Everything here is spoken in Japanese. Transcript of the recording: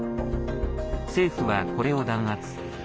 政府は、これを弾圧。